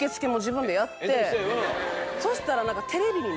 そしたら。